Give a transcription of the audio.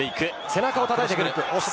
背中を叩いてくる。